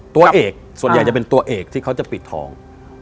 ตัวเอกส่วนใหญ่จะเป็นตัวเอกที่เขาจะปิดทอง